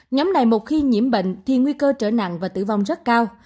nhóm này một khi nhiễm bệnh thì nguy cơ trở nặng và tử vong rất cao